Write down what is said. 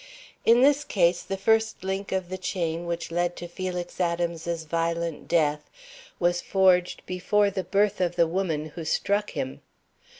In this case, the first link of the chain which led to Felix Adams's violent death was forged before the birth of the woman who struck him.